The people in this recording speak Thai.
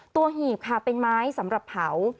หีบค่ะเป็นไม้สำหรับเผา